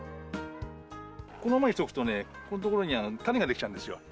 このままにしておくとね、ここの所に種が出来ちゃうんですよ。